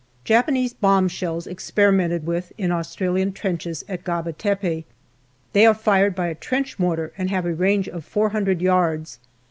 . Japanese bomb shells experimented with in Australian trenches at Gaba Tepe. They are fired by a trench mortar and have a range of four hundred yards.